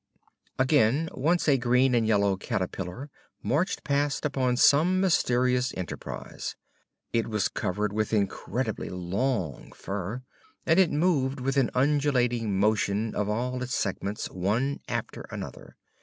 Again, once a green and yellow caterpillar marched past upon some mysterious enterprise. It was covered with incredibly long fur, and it moved with an undulating motion of all its segments, one after another.